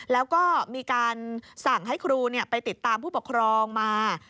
แล้วก็มีการสั่งให้ครูไปติดตามผู้ปกครองมา